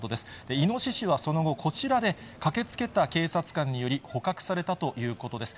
イノシシはその後、こちらで、駆けつけた警察官により、捕獲されたということです。